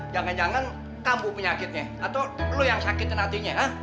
jangan jangan kamu penyakitnya atau lo yang sakitin hatinya ha